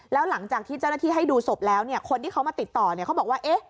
แล้วหลังจากที่เจ้าหน้าที่ให้ดูศพแล้วคนที่เขามาติดต่อเขาบอกว่า